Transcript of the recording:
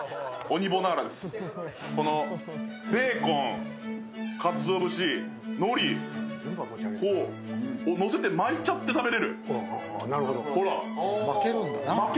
ベーコン、かつお節、のりをのせて巻いちゃって食べれる、ほら。